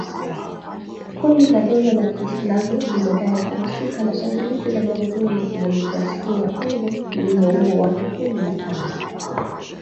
Kundi la Dola la kiislamu limedai kuhusika na shambulizi la Jamuhuri ya Kidemokrasia ya Kongo lililouwa watu kumi na tano